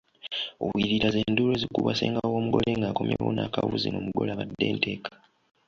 Obuyirira ze nduulu ezikubwa ssenga w’omugole nga akomyewo n’akabuzi ng’omugole abadde nteeka.